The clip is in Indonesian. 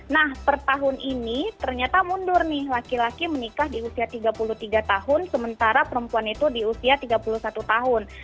nah per tahun ini ternyata mundur nih laki laki menikah di usia tiga puluh tiga tahun sementara perempuan itu di usia tiga puluh satu tahun